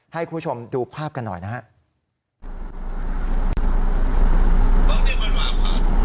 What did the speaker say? ให้คุณผู้ชมดูภาพกันหน่อยนะครับ